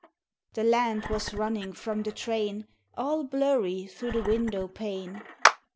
The land was running from the train, All blurry through the window pane.